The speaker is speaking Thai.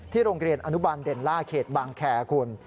ที่โรงเรียนอนุบันเด่นล่าเขตบางแครคุณ